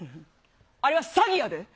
あれは詐欺やで。